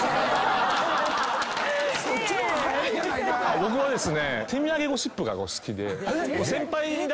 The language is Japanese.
僕はですね。